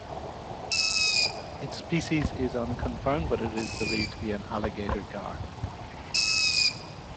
Its species is unconfirmed but is believed to be an alligator gar.